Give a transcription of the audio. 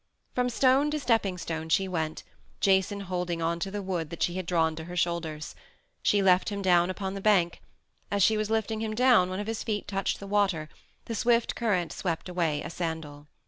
From stone to stepping stone she went, Jason holding on to the wood that she had drawn to her shoulders. She left him down upon the bank. As she was lifting him down one of his feet touched the water; the swift current swept away a sandal.